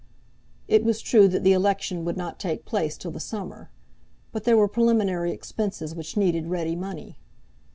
It was true that the election would not take place till the summer; but there were preliminary expenses which needed ready money.